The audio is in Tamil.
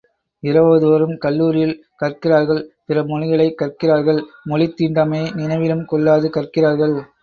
இரவுதோறும் கல்லூரியில் கற்கிறார்கள் பிற மொழிகளைக் கற்கிறார்கள் மொழித் தீண்டாமையை நினைவிலும் கொள்ளாது கற்கிறார்கள்.